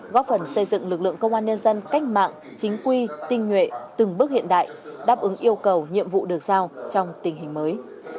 góp phần xây dựng lực lượng công an nhân dân cách mạng chính quy tinh nhuệ từng bước hiện đại đáp ứng yêu cầu nhiệm vụ được giao trong tình hình mới